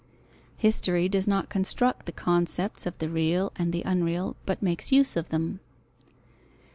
History does not construct the concepts of the real and unreal, but makes use of them.